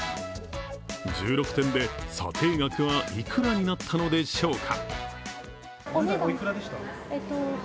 １６点で査定額はいくらになったのでしょうか。